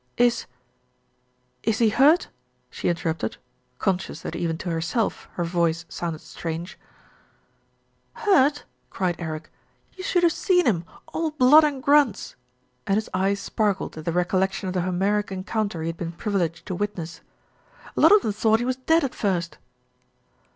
"Is is he hurt?" she interrupted, conscious that even to herself her voice sounded strange. 305 306 THE RETURN OF ALFRED "Hurt!" cried Eric. "You should have seen him, all blood and grunts," and his eyes sparkled at the recollection of the Homeric encounter he had been privileged to witness. "A lot of 'em thought he was dead at first."